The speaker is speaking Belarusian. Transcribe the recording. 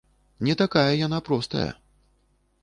Не такая яна простая!